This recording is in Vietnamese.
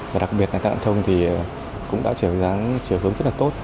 và đặc biệt là tai nạn giao thông thì cũng đã trở hướng rất là tốt